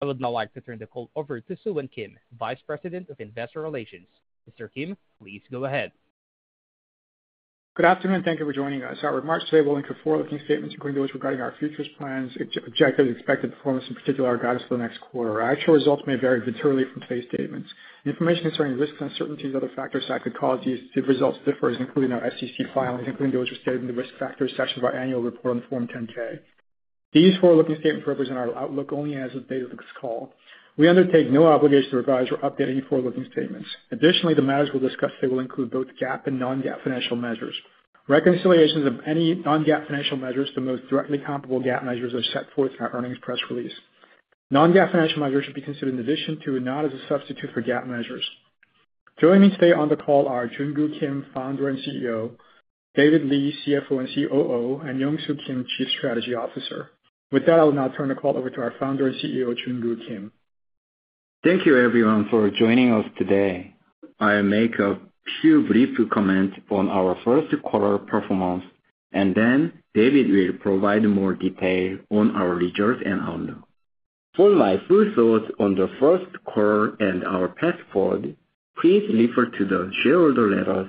I would now like to turn the call over to Soohwan Kim, Vice President of Investor Relations. Mr. Kim, please go ahead. Good afternoon and thank you for joining us. Our remarks today will include forward-looking statements including those regarding our future plans, objectives, expected performance, and particularly our guidance for the next quarter. Actual results may vary materially from today's statements. Information concerning risks, uncertainties, and other factors that could cause these results to differ is included in our SEC filings, including those restated in the risk factors section of our annual report on Form 10-K. These forward-looking statements represent our outlook only as of the date of this call. We undertake no obligation to revise or update any forward-looking statements. Additionally, the matters we will discuss today will include both GAAP and non-GAAP financial measures. Reconciliations of any non-GAAP financial measures to the most directly comparable GAAP measures are set forth in our earnings press release. Non-GAAP financial measures should be considered in addition to and not as a substitute for GAAP measures. Joining me today on the call are JunKoo Kim, Founder and CEO, David Lee, CFO and COO, and Yongsoo Kim, Chief Strategy Officer. With that, I will now turn the call over to our Founder and CEO, JunKoo Kim. Thank you, everyone, for joining us today. I'll make a few brief comments on our first quarter performance, and then David will provide more detail on our results and outlook. For my full thoughts on the first quarter and our past quarter, please refer to the shareholder letters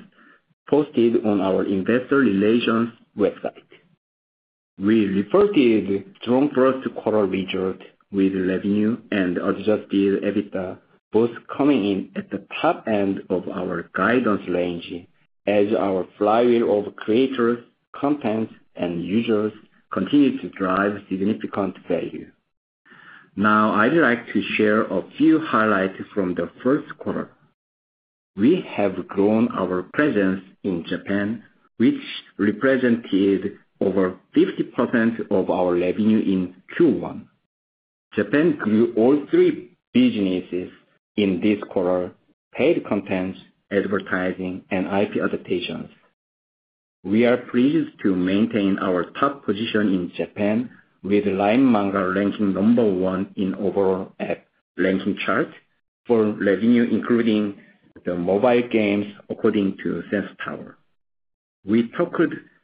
posted on our Investor Relations website. We reported strong first quarter results with revenue and adjusted EBITDA, both coming in at the top end of our guidance range as our flywheel of creators, content, and users continued to drive significant value. Now, I'd like to share a few highlights from the first quarter. We have grown our presence in Japan, which represented over 50% of our revenue in Q1. Japan grew all three businesses in this quarter: paid content, advertising, and IP adaptations. We are pleased to maintain our top position in Japan with LINE Manga ranking number one in overall ranking chart for revenue, including the mobile games according to Sensor Tower.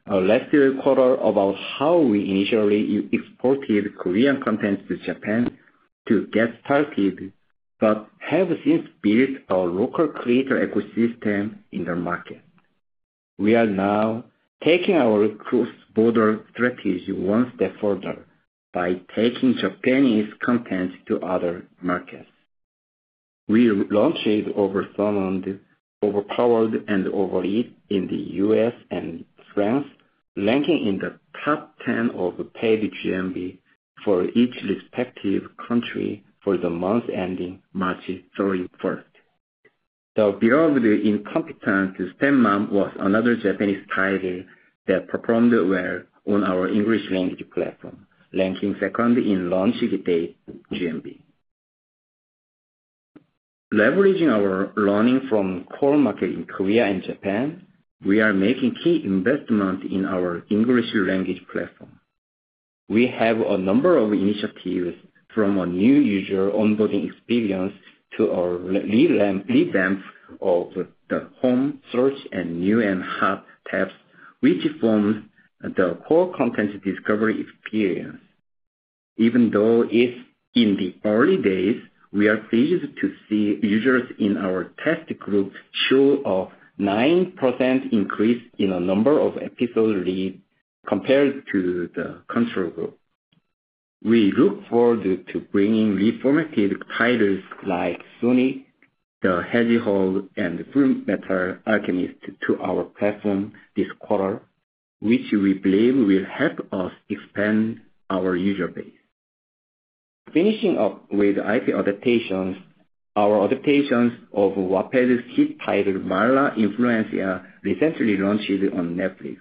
We talked last quarter about how we initially exported Korean content to Japan to get started but have since built our local creator ecosystem in the market. We are now taking our cross-border strategy one step further by taking Japanese content to other markets. We launched Oversummoned, Overpowered, and Over It! in the U.S. and France, ranking in the top 10 of paid GMV for each respective country for the month ending March 31st. The beyond the Incompetent Man was another Japanese title that performed well on our English-language platform, ranking second in launch date GMV. Leveraging our learning from core markets in Korea and Japan, we are making key investments in our English-language platform. We have a number of initiatives from our new user onboarding experience to our revamp of the home search and new and hot tabs, which form the core content discovery experience. Even though it is in the early days, we are pleased to see users in our test group show a 9% increase in the number of episode reads compared to the control group. We look forward to bringing reformative titles like Sonic the Hedgehog and Fullmetal Alchemist to our platform this quarter, which we believe will help us expand our user base. Finishing up with IP adaptations, our adaptations of Wattpad's hit title Mala Influencia recently launched on Netflix.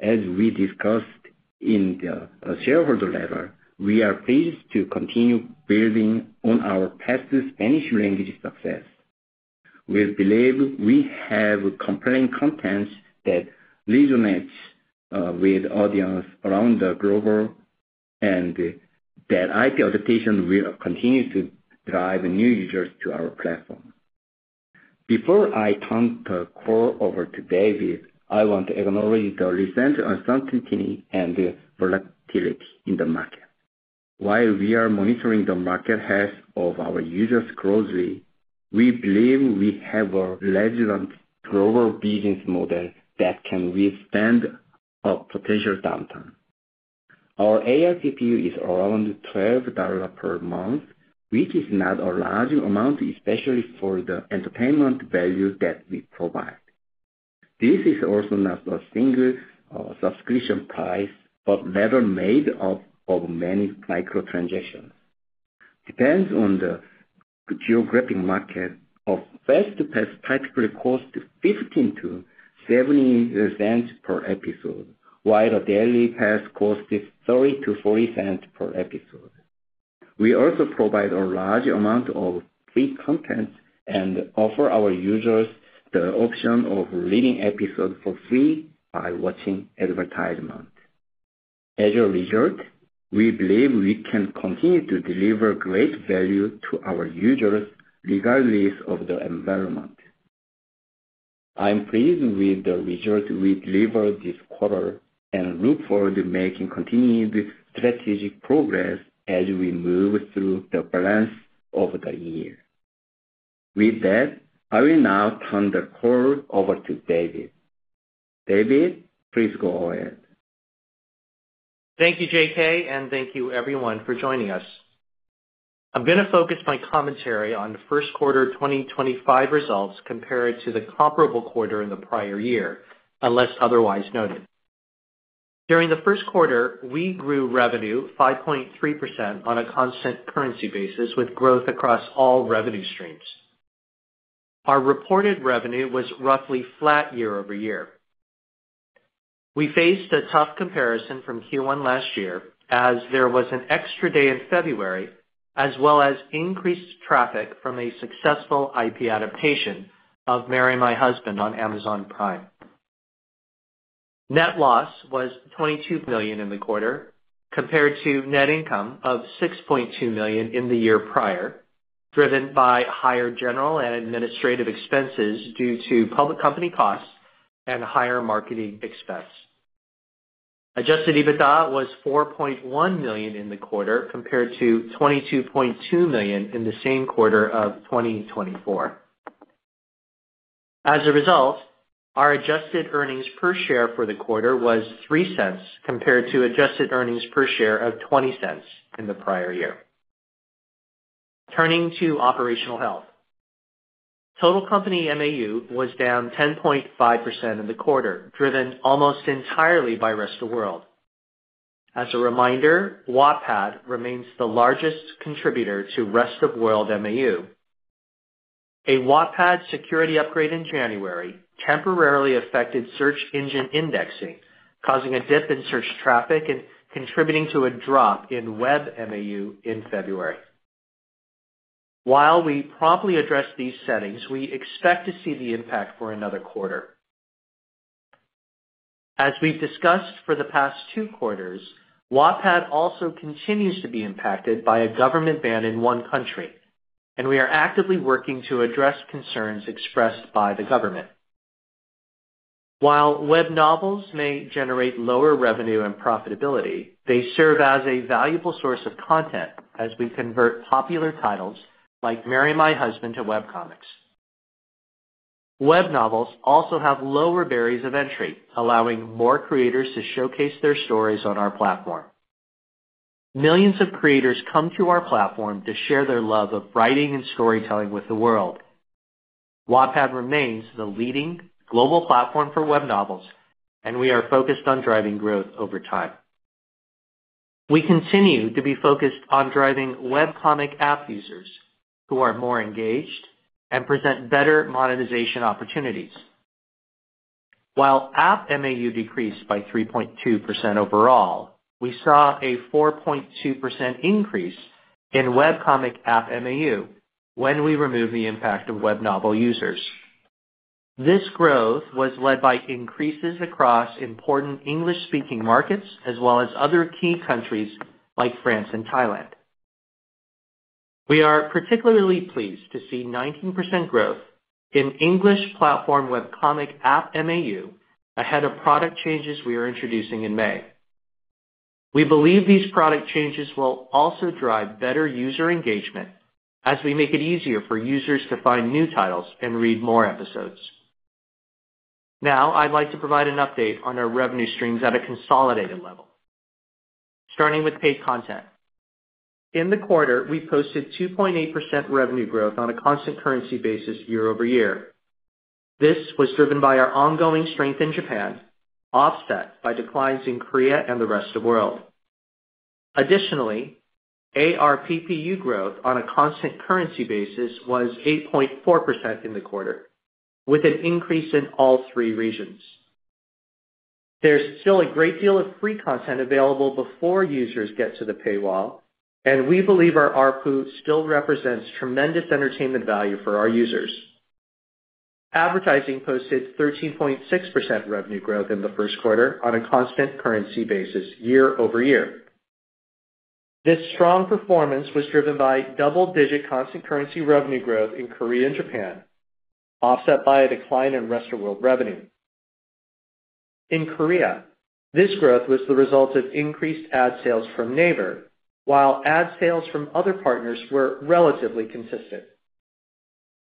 As we discussed in the shareholder letter, we are pleased to continue building on our past Spanish-language success. We believe we have compelling content that resonates with the audience around the globe and that IP adaptation will continue to drive new users to our platform. Before I turn the call over to David, I want to acknowledge the recent uncertainty and volatility in the market. While we are monitoring the market health of our users closely, we believe we have a resilient global business model that can withstand potential downturns. Our ARPPU is around $12 per month, which is not a large amount, especially for the entertainment value that we provide. This is also not a single subscription price but rather made up of many microtransactions. Depending on the geographic market, our fast-pass typically costs $0.15-$0.70 per episode, while a daily pass costs $0.30-$0.40 per episode. We also provide a large amount of free content and offer our users the option of reading episodes for free by watching advertisements. As a result, we believe we can continue to deliver great value to our users regardless of the environment. I'm pleased with the results we delivered this quarter and look forward to making continued strategic progress as we move through the balance of the year. With that, I will now turn the call over to David. David, please go ahead. Thank you, JK, and thank you, everyone, for joining us. I'm going to focus my commentary on the first quarter 2025 results compared to the comparable quarter in the prior year, unless otherwise noted. During the first quarter, we grew revenue 5.3% on a constant currency basis with growth across all revenue streams. Our reported revenue was roughly flat year-over-year. We faced a tough comparison from Q1 last year as there was an extra day in February as well as increased traffic from a successful IP adaptation of Marry My Husband on Amazon Prime. Net loss was $22 million in the quarter compared to net income of $6.2 million in the year prior, driven by higher general and administrative expenses due to public company costs and higher marketing expense. Adjusted EBITDA was $4.1 million in the quarter compared to $22.2 million in the same quarter of 2024. As a result, our adjusted earnings per share for the quarter was $0.03 compared to adjusted earnings per share of $0.20 in the prior year. Turning to operational health, total company MAU was down 10.5% in the quarter, driven almost entirely by Rest of World. As a reminder, Wattpad remains the largest contributor to Rest of World MAU. A Wattpad security upgrade in January temporarily affected search engine indexing, causing a dip in search traffic and contributing to a drop in web MAU in February. While we promptly addressed these settings, we expect to see the impact for another quarter. As we've discussed for the past two quarters, Wattpad also continues to be impacted by a government ban in one country, and we are actively working to address concerns expressed by the government. While web novels may generate lower revenue and profitability, they serve as a valuable source of content as we convert popular titles like Marry My Husband to WebComics. Web novels also have lower barriers of entry, allowing more creators to showcase their stories on our platform. Millions of creators come to our platform to share their love of writing and storytelling with the world. Wattpad remains the leading global platform for web novels, and we are focused on driving growth over time. We continue to be focused on driving webcomic app users who are more engaged and present better monetization opportunities. While app MAU decreased by 3.2% overall, we saw a 4.2% increase in webcomic app MAU when we remove the impact of web novel users. This growth was led by increases across important English-speaking markets as well as other key countries like France and Thailand. We are particularly pleased to see 19% growth in English-platform webcomic app MAU ahead of product changes we are introducing in May. We believe these product changes will also drive better user engagement as we make it easier for users to find new titles and read more episodes. Now, I'd like to provide an update on our revenue streams at a consolidated level, starting with paid content. In the quarter, we posted 2.8% revenue growth on a constant currency basis year-over-year. This was driven by our ongoing strength in Japan, offset by declines in Korea and the Rest of World. Additionally, ARPPU growth on a constant currency basis was 8.4% in the quarter, with an increase in all three regions. There's still a great deal of free content available before users get to the paywall, and we believe our ARPPU still represents tremendous entertainment value for our users. Advertising posted 13.6% revenue growth in the first quarter on a constant currency basis year-over-year. This strong performance was driven by double-digit constant currency revenue growth in Korea and Japan, offset by a decline in Rest of World revenue. In Korea, this growth was the result of increased ad sales from neighbors, while ad sales from other partners were relatively consistent.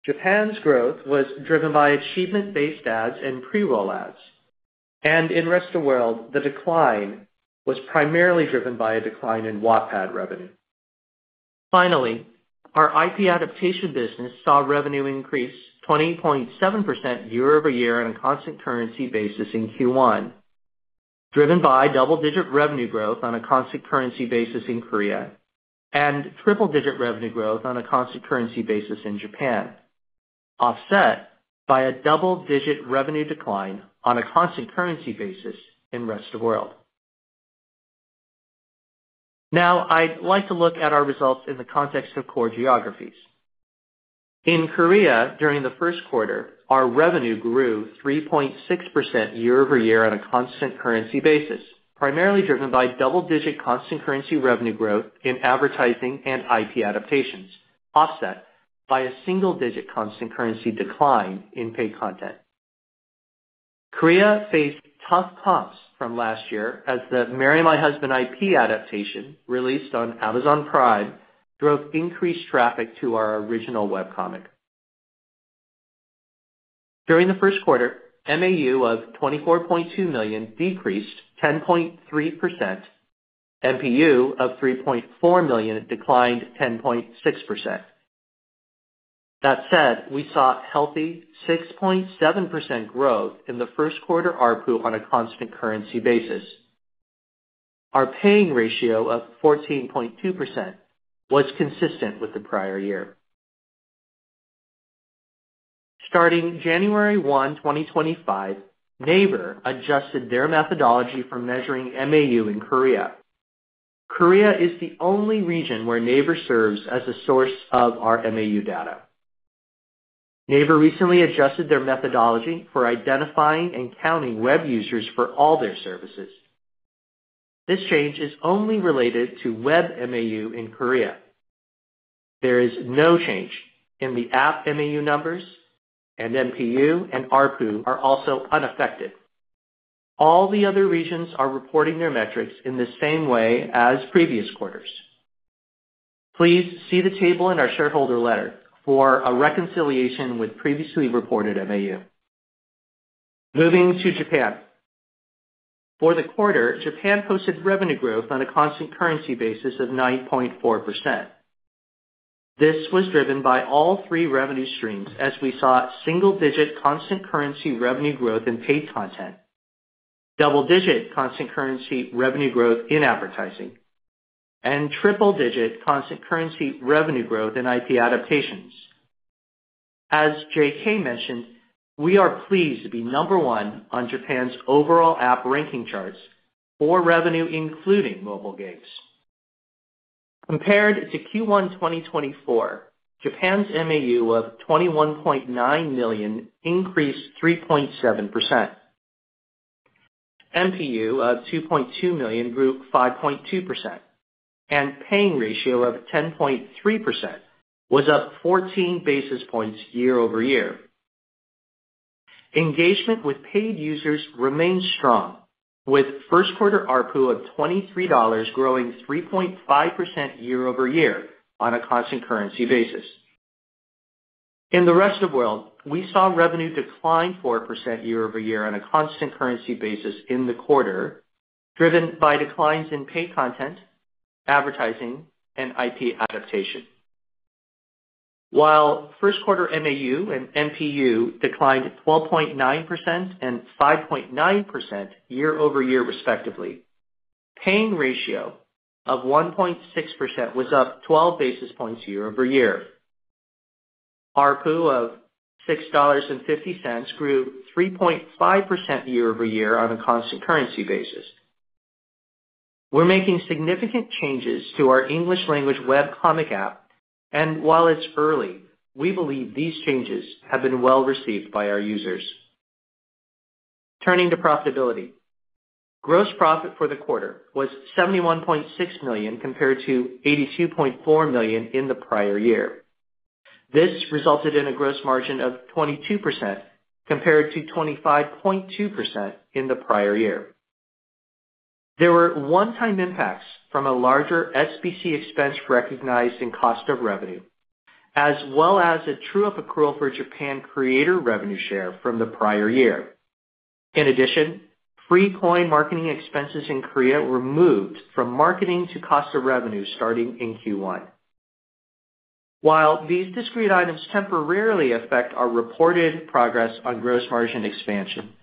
Japan's growth was driven by achievement-based ads and pre-roll ads, and in Rest of World, the decline was primarily driven by a decline in Wattpad revenue. Finally, our IP adaptation business saw revenue increase 20.7% year-over-year on a constant currency basis in Q1, driven by double-digit revenue growth on a constant currency basis in Korea and triple-digit revenue growth on a constant currency basis in Japan, offset by a double-digit revenue decline on a constant currency basis in Rest of World. Now, I'd like to look at our results in the context of core geographies. In Korea, during the first quarter, our revenue grew 3.6% year-over-year on a constant currency basis, primarily driven by double-digit constant currency revenue growth in advertising and IP adaptations, offset by a single-digit constant currency decline in paid content. Korea faced tough comps from last year as the Marry My Husband IP adaptation released on Amazon Prime drove increased traffic to our original WebComics. During the first quarter, MAU of 24.2 million decreased 10.3%. MPU of 3.4 million declined 10.6%. That said, we saw healthy 6.7% growth in the first quarter ARPPU on a constant currency basis. Our paying ratio of 14.2% was consistent with the prior year. Starting January 1, 2025, NAVER adjusted their methodology for measuring MAU in Korea. Korea is the only region where NAVER serves as a source of our MAU data. NAVER recently adjusted their methodology for identifying and counting web users for all their services. This change is only related to web MAU in Korea. There is no change in the app MAU numbers, and MPU and ARPPU are also unaffected. All the other regions are reporting their metrics in the same way as previous quarters. Please see the table in our shareholder letter for a reconciliation with previously reported MAU. Moving to Japan. For the quarter, Japan posted revenue growth on a constant currency basis of 9.4%. This was driven by all three revenue streams as we saw single-digit constant currency revenue growth in paid content, double-digit constant currency revenue growth in advertising, and triple-digit constant currency revenue growth in IP adaptations. As JK mentioned, we are pleased to be number one on Japan's overall app ranking charts for revenue, including mobile games. Compared to Q1 2024, Japan's MAU of 21.9 million increased 3.7%. MPU of 2.2 million grew 5.2%, and paying ratio of 10.3% was up 14 basis points year-over-year. Engagement with paid users remained strong, with first quarter ARPPU of $23 growing 3.5% year-over-year on a constant currency basis. In the Rest of World, we saw revenue decline 4% year-over-year on a constant currency basis in the quarter, driven by declines in paid content, advertising, and IP adaptation. While first quarter MAU and MPU declined 12.9% and 5.9% year-over-year, respectively, paying ratio of 1.6% was up 12 basis points year-over-year. ARPPU of $6.50 grew 3.5% year-over-year on a constant currency basis. We're making significant changes to our English-language webcomic app, and while it's early, we believe these changes have been well received by our users. Turning to profitability, gross profit for the quarter was $71.6 million compared to $82.4 million in the prior year. This resulted in a gross margin of 22% compared to 25.2% in the prior year. There were one-time impacts from a larger SBC expense recognized in cost of revenue, as well as a true-up accrual for Japan creator revenue share from the prior year. In addition, free coin marketing expenses in Korea were moved from marketing to cost of revenue starting in Q1. While these discrete items temporarily affect our reported progress on gross margin expansion,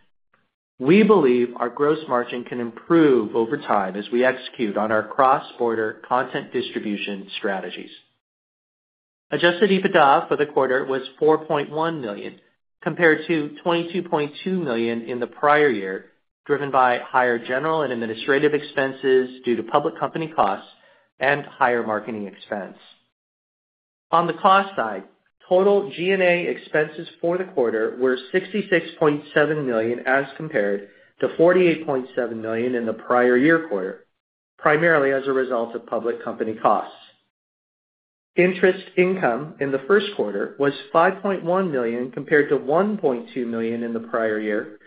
we believe our gross margin can improve over time as we execute on our cross-border content distribution strategies. Adjusted EBITDA for the quarter was $4.1 million compared to $22.2 million in the prior year, driven by higher general and administrative expenses due to public company costs and higher marketing expense. On the cost side, total G&A expenses for the quarter were $66.7 million as compared to $48.7 million in the prior year quarter, primarily as a result of public company costs. Interest income in the first quarter was $5.1 million compared to $1.2 million in the prior year,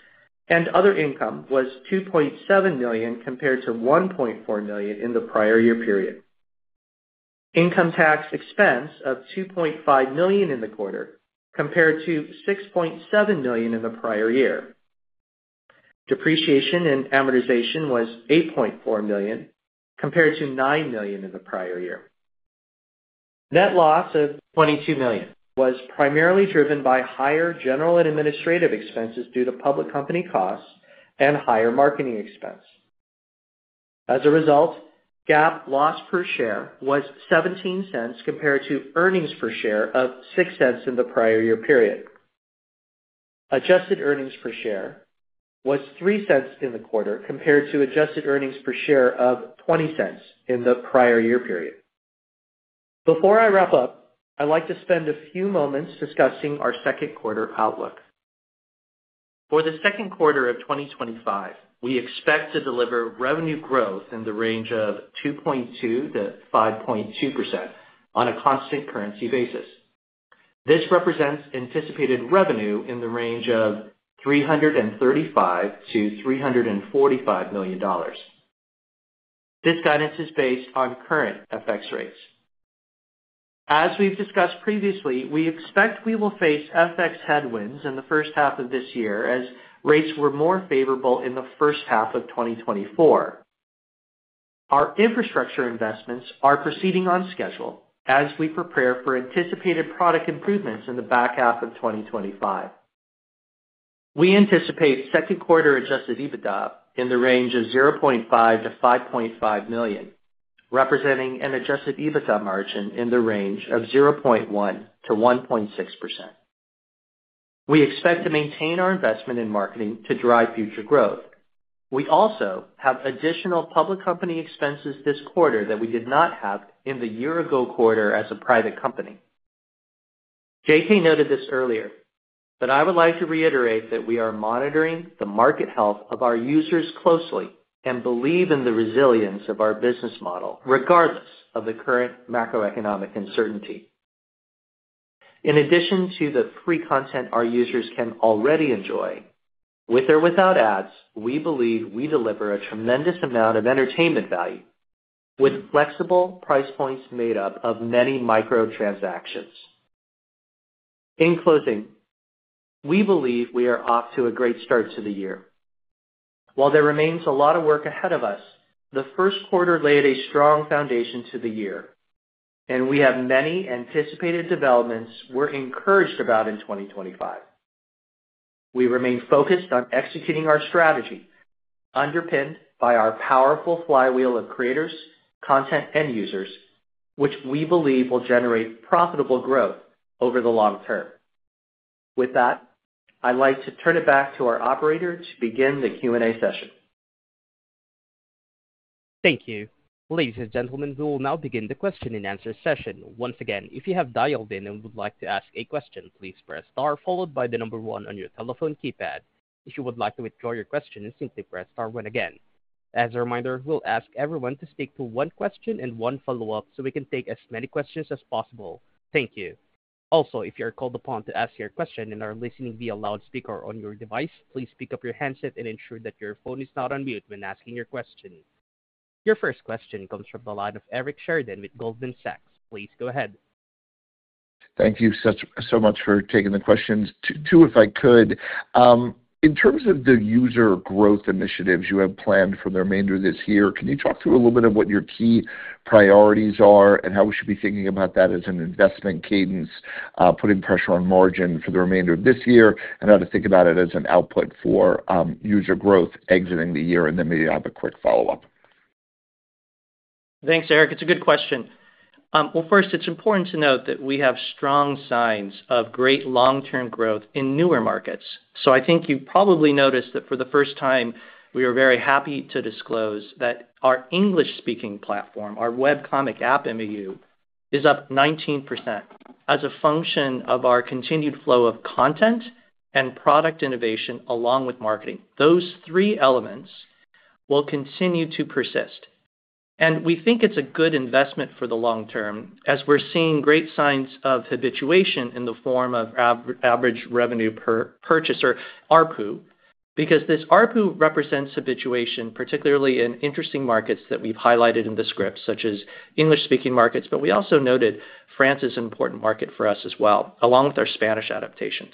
and other income was $2.7 million compared to $1.4 million in the prior year period. Income tax expense of $2.5 million in the quarter compared to $6.7 million in the prior year. Depreciation and amortization was $8.4 million compared to $9 million in the prior year. Net loss of $22 million was primarily driven by higher general and administrative expenses due to public company costs and higher marketing expense. As a result, GAAP loss per share was $0.17 compared to earnings per share of $0.06 in the prior year period. Adjusted earnings per share was $0.03 in the quarter compared to adjusted earnings per share of $0.20 in the prior year period. Before I wrap up, I'd like to spend a few moments discussing our second quarter outlook. For the second quarter of 2025, we expect to deliver revenue growth in the range of 2.2%-5.2% on a constant currency basis. This represents anticipated revenue in the range of $335 million-$345 million. This guidance is based on current FX rates. As we've discussed previously, we expect we will face FX headwinds in the first half of this year as rates were more favorable in the first half of 2024. Our infrastructure investments are proceeding on schedule as we prepare for anticipated product improvements in the back half of 2025. We anticipate second quarter adjusted EBITDA in the range of $0.5 million-$5.5 million, representing an adjusted EBITDA margin in the range of 0.1%-1.6%. We expect to maintain our investment in marketing to drive future growth. We also have additional public company expenses this quarter that we did not have in the year-ago quarter as a private company. JK noted this earlier, but I would like to reiterate that we are monitoring the market health of our users closely and believe in the resilience of our business model regardless of the current macroeconomic uncertainty. In addition to the free content our users can already enjoy, with or without ads, we believe we deliver a tremendous amount of entertainment value with flexible price points made up of many microtransactions. In closing, we believe we are off to a great start to the year. While there remains a lot of work ahead of us, the first quarter laid a strong foundation to the year, and we have many anticipated developments we're encouraged about in 2025. We remain focused on executing our strategy, underpinned by our powerful flywheel of creators, content, and users, which we believe will generate profitable growth over the long term. With that, I'd like to turn it back to our operator to begin the Q&A session. Thank you. Ladies and gentlemen, we will now begin the question and answer session. Once again, if you have dialed in and would like to ask a question, please press star followed by the number one on your telephone keypad. If you would like to withdraw your question, simply press star again. As a reminder, we'll ask everyone to stick to one question and one follow-up so we can take as many questions as possible. Thank you. Also, if you are called upon to ask your question and are listening via loudspeaker on your device, please pick up your handset and ensure that your phone is not on mute when asking your question. Your first question comes from the line of Eric Sheridan with Goldman Sachs. Please go ahead. Thank you so much for taking the question. Two, if I could, in terms of the user growth initiatives you have planned for the remainder of this year, can you talk through a little bit of what your key priorities are and how we should be thinking about that as an investment cadence, putting pressure on margin for the remainder of this year, and how to think about it as an output for user growth exiting the year? I have a quick follow-up. Thanks, Eric. It's a good question. First, it's important to note that we have strong signs of great long-term growth in newer markets. I think you probably noticed that for the first time, we are very happy to disclose that our English-speaking platform, our webcomic app MAU, is up 19% as a function of our continued flow of content and product innovation along with marketing. Those three elements will continue to persist. We think it's a good investment for the long term as we're seeing great signs of habituation in the form of average revenue per purchaser, ARPPU, because this ARPPU represents habituation, particularly in interesting markets that we've highlighted in the script, such as English-speaking markets. We also noted France is an important market for us as well, along with our Spanish adaptations.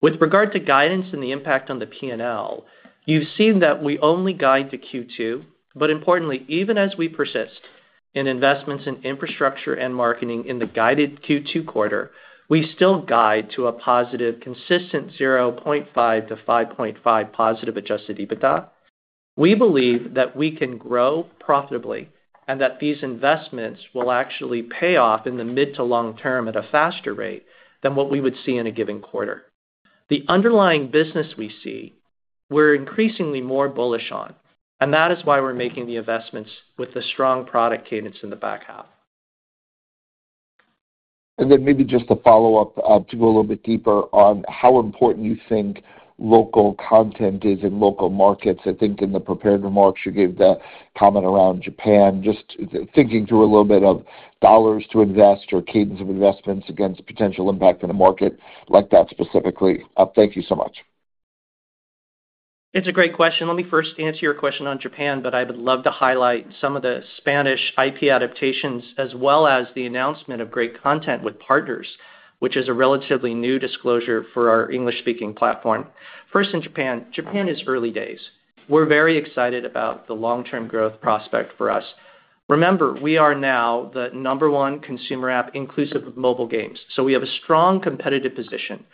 With regard to guidance and the impact on the P&L, you've seen that we only guide to Q2. Importantly, even as we persist in investments in infrastructure and marketing in the guided Q2 quarter, we still guide to a positive, consistent $0.5 million-$5.5 million positive adjusted EBITDA. We believe that we can grow profitably and that these investments will actually pay off in the mid to long term at a faster rate than what we would see in a given quarter. The underlying business we see, we're increasingly more bullish on, and that is why we're making the investments with the strong product cadence in the back half. Maybe just a follow-up to go a little bit deeper on how important you think local content is in local markets. I think in the prepared remarks, you gave the comment around Japan, just thinking through a little bit of dollars to invest or cadence of investments against potential impact in a market like that specifically. Thank you so much. It's a great question. Let me first answer your question on Japan, but I would love to highlight some of the Spanish IP adaptations as well as the announcement of great content with partners, which is a relatively new disclosure for our English-speaking platform. First, in Japan, Japan is early days. We're very excited about the long-term growth prospect for us. Remember, we are now the number one consumer app inclusive of mobile games. So we have a strong competitive position.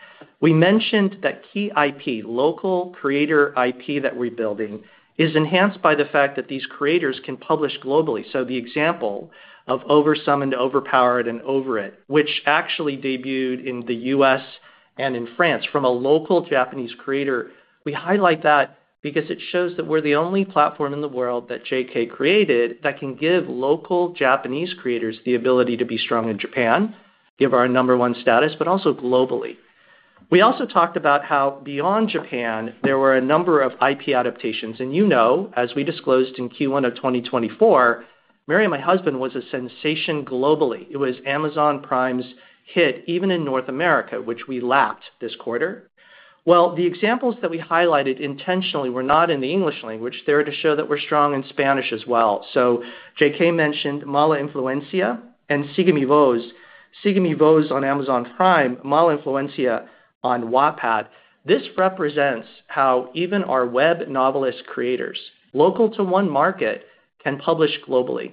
We mentioned that key IP, local creator IP that we're building, is enhanced by the fact that these creators can publish globally. The example of Oversummoned, Overpowered, and Over It!, which actually debuted in the U.S. and in France from a local Japanese creator, we highlight that because it shows that we're the only platform in the world that JK created that can give local Japanese creators the ability to be strong in Japan, give our number one status, but also globally. We also talked about how beyond Japan, there were a number of IP adaptations. You know, as we disclosed in Q1 of 2024, Marry My Husband was a sensation globally. It was Amazon Prime's hit even in North America, which we lapped this quarter. The examples that we highlighted intentionally were not in the English language. They're to show that we're strong in Spanish as well. JK mentioned Mala Influencia and Sigue Mi Voz. Sigue Mi Voz on Amazon Prime, Mala Influencia on Wattpad. This represents how even our web novelist creators, local to one market, can publish globally.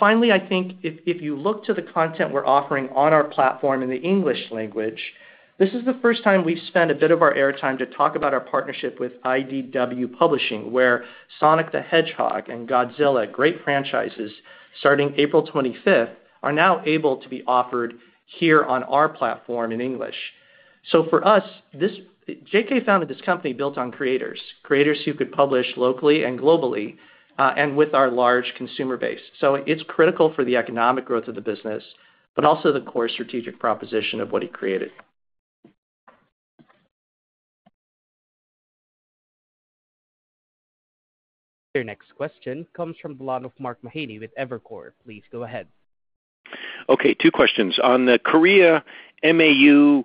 Finally, I think if you look to the content we are offering on our platform in the English language, this is the first time we have spent a bit of our airtime to talk about our partnership with IDW Publishing, where Sonic the Hedgehog and Godzilla, great franchises starting April 25th, are now able to be offered here on our platform in English. For us, JK founded this company built on creators, creators who could publish locally and globally and with our large consumer base. It is critical for the economic growth of the business, but also the core strategic proposition of what he created. The next question comes from the line of Mark Mahaney with Evercore. Please go ahead. Okay. Two questions. On the Korea MAU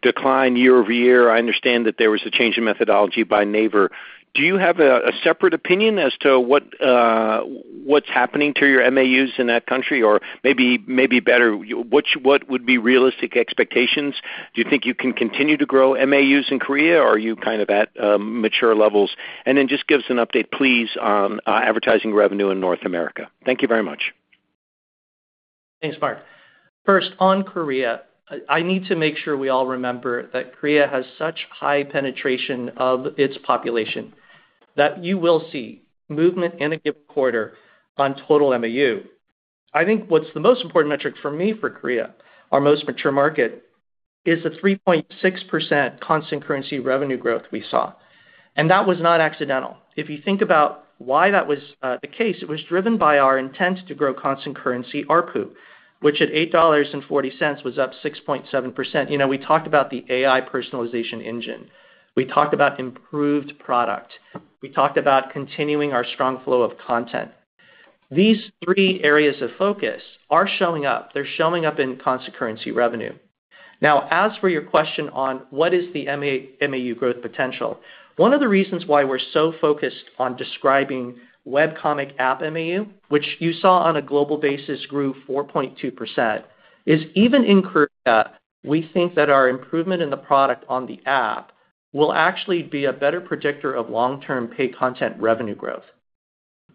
decline year-over-year, I understand that there was a change in methodology by NAVER. Do you have a separate opinion as to what's happening to your MAUs in that country? Or maybe better, what would be realistic expectations? Do you think you can continue to grow MAUs in Korea, or are you kind of at mature levels? Just give us an update, please, on advertising revenue in North America. Thank you very much. Thanks, Mark. First, on Korea, I need to make sure we all remember that Korea has such high penetration of its population that you will see movement in a given quarter on total MAU. I think what's the most important metric for me for Korea, our most mature market, is the 3.6% constant currency revenue growth we saw. That was not accidental. If you think about why that was the case, it was driven by our intent to grow constant currency ARPPU, which at $8.40 was up 6.7%. You know, we talked about the AI personalization engine. We talked about improved product. We talked about continuing our strong flow of content. These three areas of focus are showing up. They're showing up in constant currency revenue. Now, as for your question on what is the MAU growth potential, one of the reasons why we're so focused on describing webcomic app MAU, which you saw on a global basis grew 4.2%, is even in Korea, we think that our improvement in the product on the app will actually be a better predictor of long-term paid content revenue growth.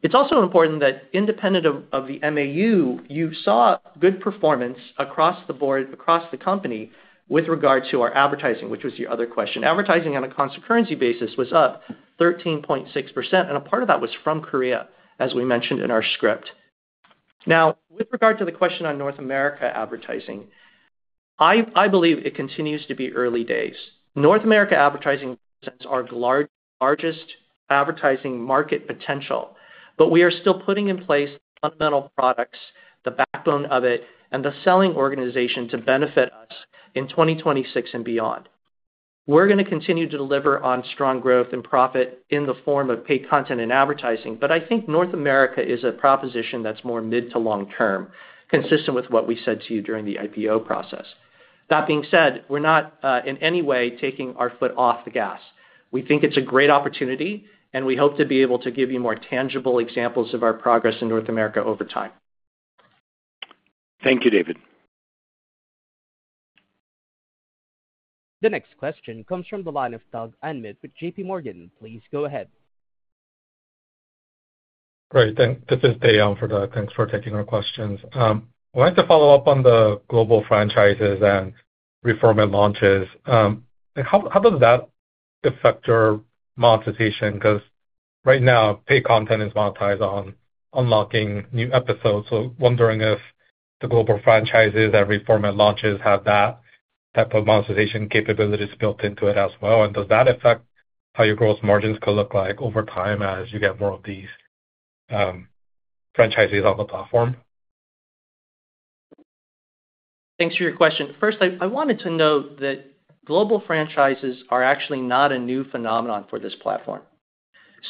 It's also important that independent of the MAU, you saw good performance across the board, across the company, with regard to our advertising, which was your other question. Advertising on a constant currency basis was up 13.6%, and a part of that was from Korea, as we mentioned in our script. Now, with regard to the question on North America advertising, I believe it continues to be early days. North America advertising represents our largest advertising market potential, but we are still putting in place fundamental products, the backbone of it, and the selling organization to benefit us in 2026 and beyond. We're going to continue to deliver on strong growth and profit in the form of paid content and advertising, but I think North America is a proposition that's more mid to long term, consistent with what we said to you during the IPO process. That being said, we're not in any way taking our foot off the gas. We think it's a great opportunity, and we hope to be able to give you more tangible examples of our progress in North America over time. Thank you, David. The next question comes from the line of Doug Anmuth with JPMorgan. Please go ahead. Great. This is for Doug. Thanks for taking our questions. I wanted to follow up on the global franchises and reform and launches. How does that affect your monetization? Because right now, paid content is monetized on unlocking new episodes. So wondering if the global franchises and reform and launches have that type of monetization capabilities built into it as well. And does that affect how your gross margins could look like over time as you get more of these franchises on the platform? Thanks for your question. First, I wanted to note that global franchises are actually not a new phenomenon for this platform.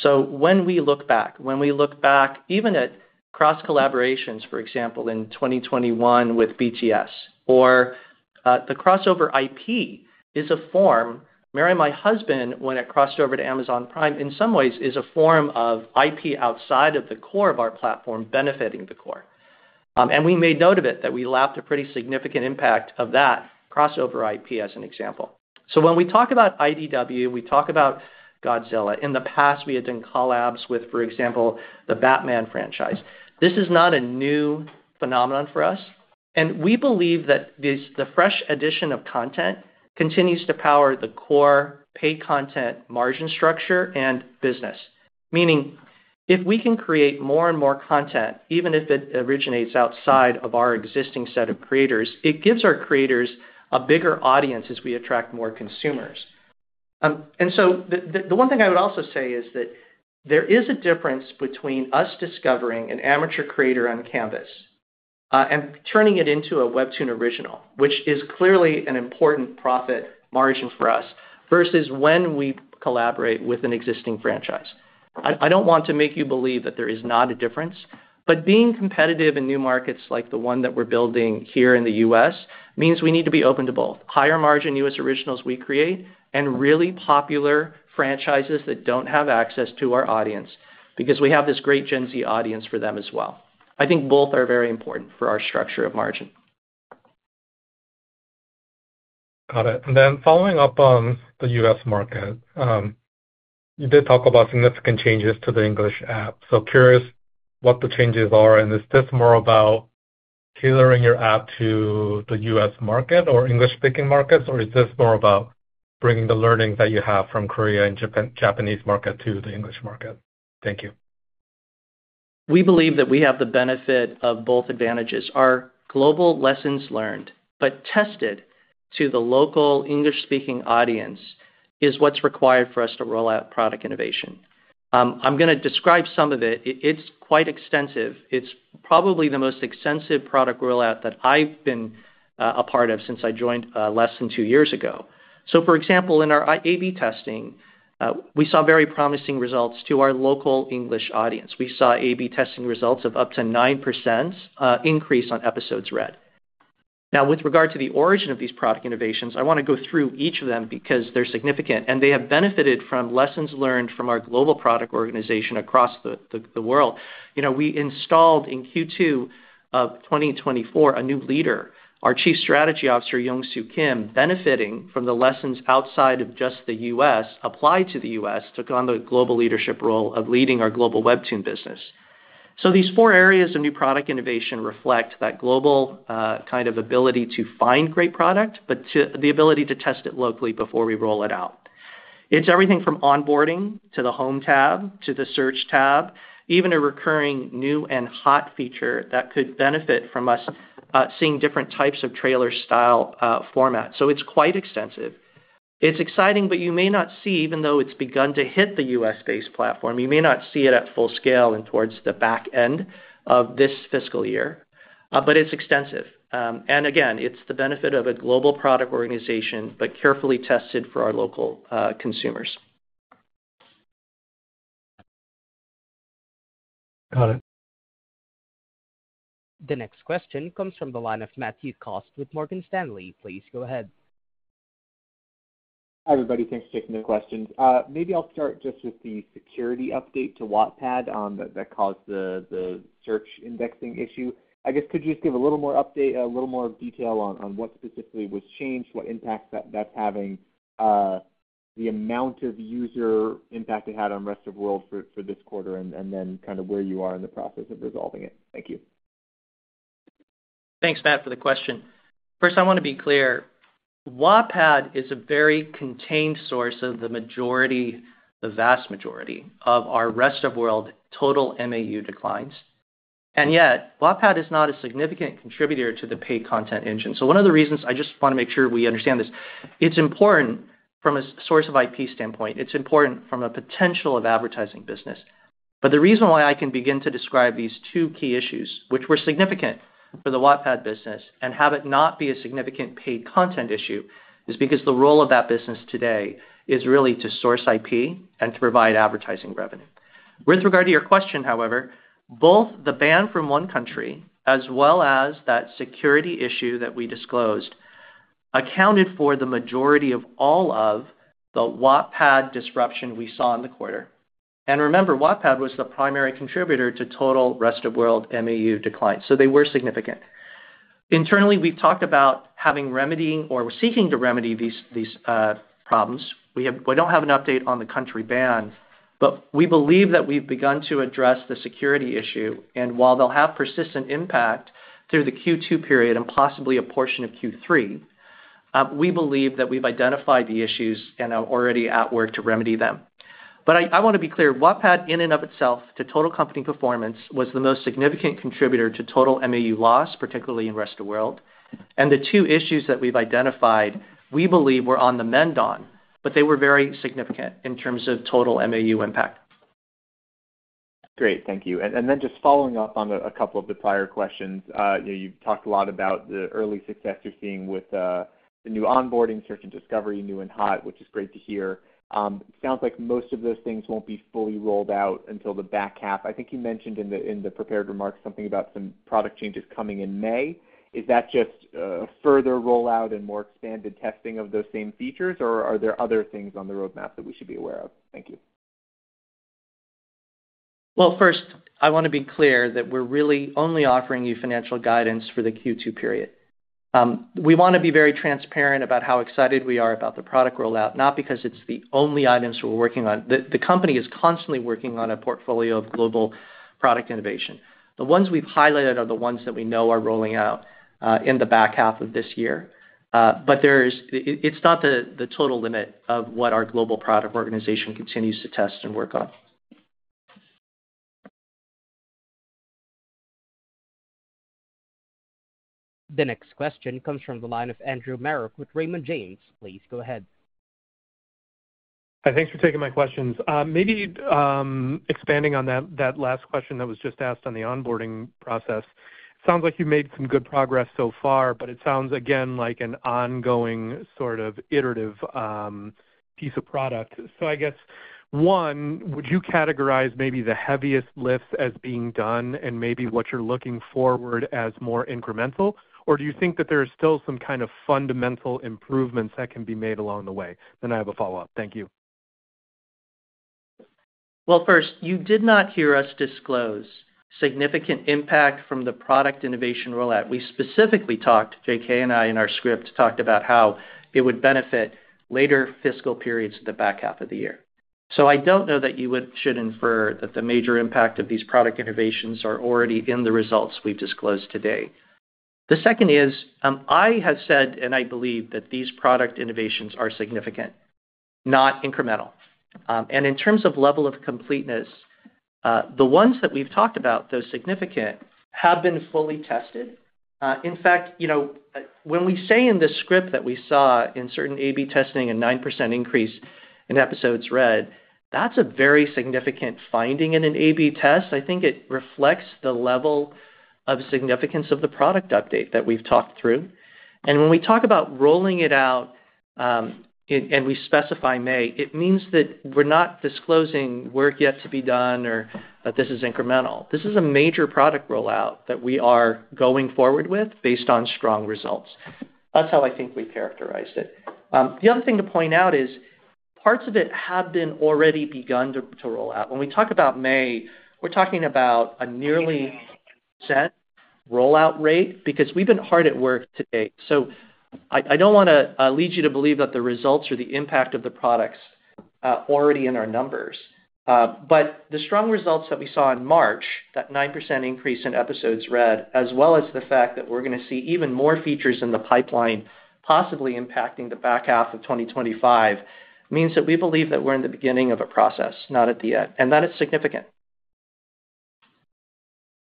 When we look back, when we look back even at cross collaborations, for example, in 2021 with BTS, or the crossover IP as a form, Marry My Husband, when it crossed over to Amazon Prime, in some ways is a form of IP outside of the core of our platform benefiting the core. We made note of it that we lapped a pretty significant impact of that crossover IP as an example. When we talk about IDW, we talk about Godzilla. In the past, we had done collabs with, for example, the Batman franchise. This is not a new phenomenon for us. We believe that the fresh addition of content continues to power the core paid content margin structure and business. Meaning, if we can create more and more content, even if it originates outside of our existing set of creators, it gives our creators a bigger audience as we attract more consumers. The one thing I would also say is that there is a difference between us discovering an amateur creator on Canvas and turning it into a WEBTOON original, which is clearly an important profit margin for us, versus when we collaborate with an existing franchise. I do not want to make you believe that there is not a difference, but being competitive in new markets like the one that we are building here in the U.S. means we need to be open to both higher margin U.S. originals we create and really popular franchises that do not have access to our audience because we have this great Gen Z audience for them as well. I think both are very important for our structure of margin. Got it. Then following up on the U.S. market, you did talk about significant changes to the English app. Curious what the changes are. Is this more about tailoring your app to the U.S. market or English-speaking markets, or is this more about bringing the learnings that you have from Korea and Japanese market to the English market? Thank you. We believe that we have the benefit of both advantages. Our global lessons learned, but tested to the local English-speaking audience is what's required for us to roll out product innovation. I'm going to describe some of it. It's quite extensive. It's probably the most extensive product rollout that I've been a part of since I joined less than two years ago. For example, in our A/B testing, we saw very promising results to our local English audience. We saw A/B testing results of up to 9% increase on episodes read. Now, with regard to the origin of these product innovations, I want to go through each of them because they're significant and they have benefited from lessons learned from our global product organization across the world. We installed in Q2 of 2024 a new leader, our Chief Strategy Officer, Yongsoo Kim, benefiting from the lessons outside of just the U.S., applied to the U.S., took on the global leadership role of leading our global WEBTOON business. These four areas of new product innovation reflect that global kind of ability to find great product, but the ability to test it locally before we roll it out. It's everything from onboarding to the home tab to the search tab, even a recurring new and hot feature that could benefit from us seeing different types of trailer style format. It is quite extensive. It's exciting, but you may not see, even though it's begun to hit the U.S.-based platform, you may not see it at full scale until towards the back end of this fiscal year. It is extensive. It is the benefit of a global product organization, but carefully tested for our local consumers. Got it. The next question comes from the line of Matthew Cost with Morgan Stanley. Please go ahead. Hi everybody. Thanks for taking the questions. Maybe I'll start just with the security update to Wattpad that caused the search indexing issue. I guess could you just give a little more update, a little more detail on what specifically was changed, what impact that's having, the amount of user impact it had on Rest of World for this quarter, and then kind of where you are in the process of resolving it? Thank you. Thanks, Matt, for the question. First, I want to be clear. Wattpad is a very contained source of the majority, the vast majority of our Rest of World total MAU declines. And yet, Wattpad is not a significant contributor to the paid content engine. One of the reasons I just want to make sure we understand this. It's important from a source of IP standpoint. It's important from a potential of advertising business. The reason why I can begin to describe these two key issues, which were significant for the Wattpad business and have it not be a significant paid content issue, is because the role of that business today is really to source IP and to provide advertising revenue. With regard to your question, however, both the ban from one country as well as that security issue that we disclosed accounted for the majority of all of the Wattpad disruption we saw in the quarter. Remember, Wattpad was the primary contributor to total Rest of World MAU decline. They were significant. Internally, we've talked about remedying or seeking to remedy these problems. We do not have an update on the country ban, but we believe that we've begun to address the security issue. While they'll have persistent impact through the Q2 period and possibly a portion of Q3, we believe that we've identified the issues and are already at work to remedy them. I want to be clear. Wattpad, in and of itself, to total company performance was the most significant contributor to total MAU loss, particularly in Rest of World. The two issues that we've identified, we believe we are on the mend on, but they were very significant in terms of total MAU impact. Great. Thank you. Just following up on a couple of the prior questions, you've talked a lot about the early success you're seeing with the new onboarding, search and discovery, new and hot, which is great to hear. Sounds like most of those things won't be fully rolled out until the back half. I think you mentioned in the prepared remarks something about some product changes coming in May. Is that just a further rollout and more expanded testing of those same features, or are there other things on the roadmap that we should be aware of? Thank you. First, I want to be clear that we're really only offering you financial guidance for the Q2 period. We want to be very transparent about how excited we are about the product rollout, not because it's the only items we're working on. The company is constantly working on a portfolio of global product innovation. The ones we've highlighted are the ones that we know are rolling out in the back half of this year. It's not the total limit of what our global product organization continues to test and work on. The next question comes from the line of Andrew Merrick with Raymond James. Please go ahead. Thanks for taking my questions. Maybe expanding on that last question that was just asked on the onboarding process. Sounds like you've made some good progress so far, but it sounds, again, like an ongoing sort of iterative piece of product. I guess, one, would you categorize maybe the heaviest lifts as being done and maybe what you're looking forward as more incremental, or do you think that there are still some kind of fundamental improvements that can be made along the way? I have a follow-up. Thank you. First, you did not hear us disclose significant impact from the product innovation rollout. We specifically talked, JK and I in our script, about how it would benefit later fiscal periods in the back half of the year. I don't know that you should infer that the major impact of these product innovations are already in the results we've disclosed today. The second is, I have said, and I believe that these product innovations are significant, not incremental. In terms of level of completeness, the ones that we've talked about, those significant, have been fully tested. In fact, when we say in the script that we saw in certain A/B testing a 9% increase in episodes read, that's a very significant finding in an A/B test. I think it reflects the level of significance of the product update that we've talked through. When we talk about rolling it out and we specify May, it means that we're not disclosing work yet to be done or that this is incremental. This is a major product rollout that we are going forward with based on strong results. That's how I think we've characterized it. The other thing to point out is parts of it have already begun to roll out. When we talk about May, we're talking about a nearly 10% rollout rate because we've been hard at work today. I do not want to lead you to believe that the results or the impact of the products are already in our numbers. The strong results that we saw in March, that 9% increase in episodes read, as well as the fact that we're going to see even more features in the pipeline possibly impacting the back half of 2025, means that we believe that we're in the beginning of a process, not at the end. That is significant.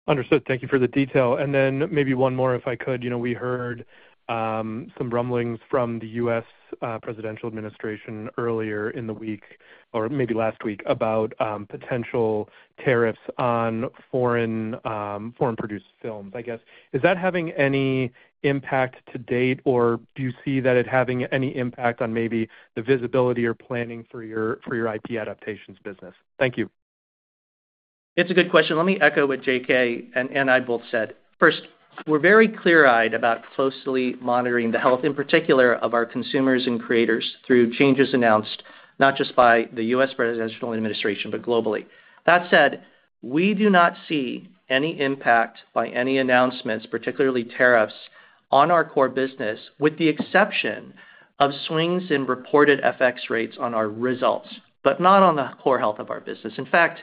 Understood. Thank you for the detail. Maybe one more, if I could. We heard some rumblings from the U.S. presidential administration earlier in the week, or maybe last week, about potential tariffs on foreign-produced films, I guess. Is that having any impact to date, or do you see that it having any impact on maybe the visibility or planning for your IP adaptations business? Thank you. It's a good question. Let me echo what JK and I both said. First, we're very clear-eyed about closely monitoring the health, in particular, of our consumers and creators through changes announced, not just by the U.S. presidential administration, but globally. That said, we do not see any impact by any announcements, particularly tariffs, on our core business, with the exception of swings in reported FX rates on our results, but not on the core health of our business. In fact,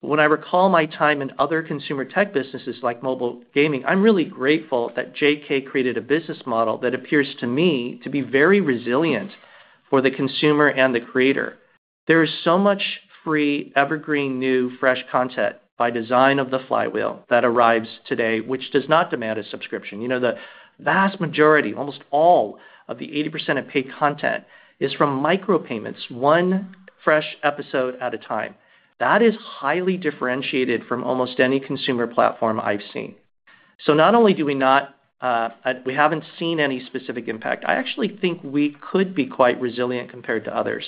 when I recall my time in other consumer tech businesses like mobile gaming, I'm really grateful that JK created a business model that appears to me to be very resilient for the consumer and the creator. There is so much free, evergreen, new, fresh content by design of the flywheel that arrives today, which does not demand a subscription. The vast majority, almost all of the 80% of paid content is from micropayments, one fresh episode at a time. That is highly differentiated from almost any consumer platform I've seen. Not only do we not, we haven't seen any specific impact. I actually think we could be quite resilient compared to others.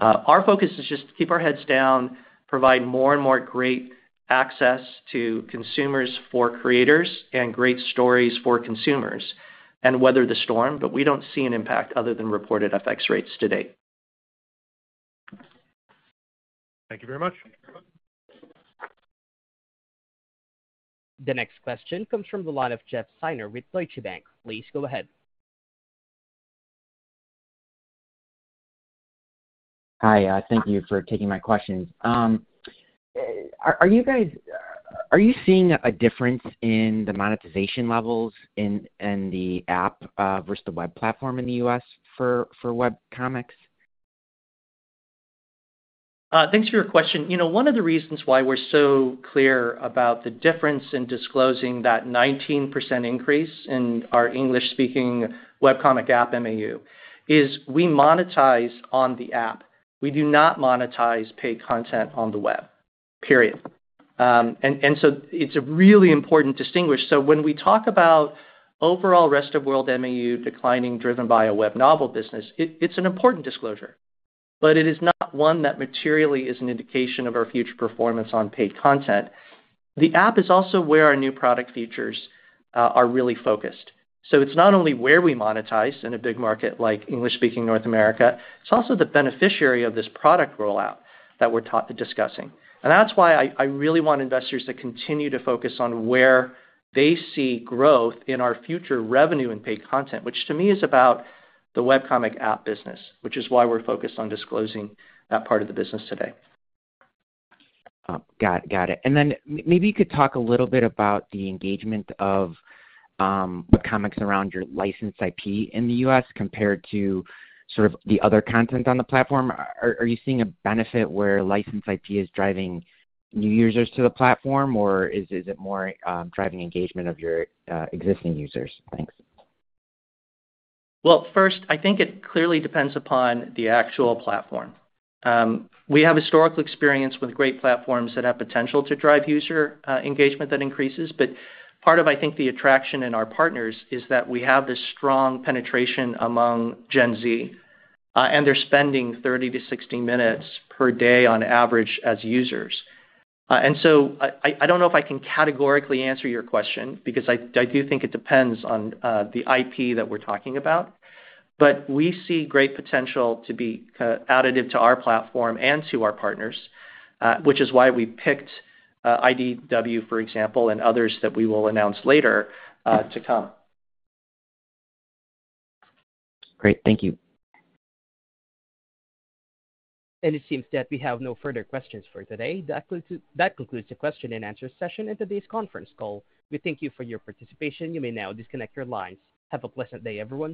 Our focus is just to keep our heads down, provide more and more great access to consumers for creators and great stories for consumers, and weather the storm. We do not see an impact other than reported FX rates today. Thank you very much. The next question comes from the line of Jeff Sinor with Deutsche Bank. Please go ahead. Hi. Thank you for taking my questions. Are you guys seeing a difference in the monetization levels in the app versus the web platform in the U.S. for WebComics? Thanks for your question. One of the reasons why we are so clear about the difference in disclosing that 19% increase in our English-speaking webcomic app MAU is we monetize on the app. We do not monetize paid content on the web. Period. It is a really important distinguish. When we talk about overall Rest of World MAU declining driven by a web novel business, it's an important disclosure, but it is not one that materially is an indication of our future performance on paid content. The app is also where our new product features are really focused. It is not only where we monetize in a big market like English-speaking North America, it is also the beneficiary of this product rollout that we are discussing. That is why I really want investors to continue to focus on where they see growth in our future revenue and paid content, which to me is about the webcomic app business, which is why we are focused on disclosing that part of the business today. Got it. Maybe you could talk a little bit about the engagement of comics around your licensed IP in the U.S. compared to sort of the other content on the platform. Are you seeing a benefit where licensed IP is driving new users to the platform, or is it more driving engagement of your existing users? Thanks. First, I think it clearly depends upon the actual platform. We have historical experience with great platforms that have potential to drive user engagement that increases. Part of, I think, the attraction in our partners is that we have this strong penetration among Gen Z, and they are spending 30-60 minutes per day on average as users. I do not know if I can categorically answer your question because I do think it depends on the IP that we are talking about, but we see great potential to be additive to our platform and to our partners, which is why we picked IDW, for example, and others that we will announce later to come. Great. Thank you. It seems that we have no further questions for today. That concludes the question and answer session in today's conference call. We thank you for your participation. You may now disconnect your lines. Have a pleasant day, everyone.